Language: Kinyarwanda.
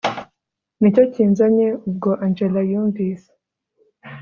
nicyo kinzanye ubwo angella yumvise